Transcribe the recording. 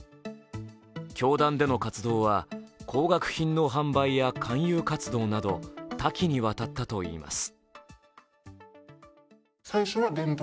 教団での活動は高額品の販売や勧誘活動など多岐にわたったといいます。